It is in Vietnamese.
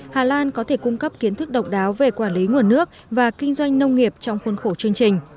hà lan có thể cung cấp kiến thức độc đáo về quản lý nguồn nước và kinh doanh nông nghiệp trong khuôn khổ chương trình